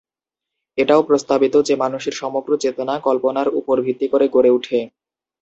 এটাও প্রস্তাবিত যে মানুষের সমগ্র চেতনা কল্পনার উপর ভিত্তি করে গড়ে উঠে।